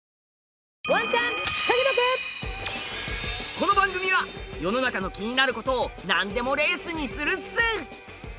この番組は世の中の気になる事をなんでもレースにするっす！